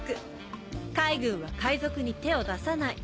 海軍は海賊に手を出さない。